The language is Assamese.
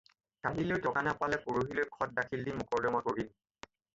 কালিলৈ টকা নাপালে পৰহিলৈ খত দাখিল দি মোকৰ্দমা কৰিম।